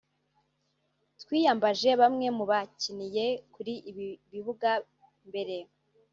twiyambaje bamwe mu bakiniye kuri ibi bibuga mbere